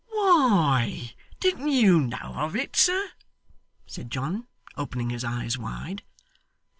'Why, didn't you know of it, sir?' said John, opening his eyes wide.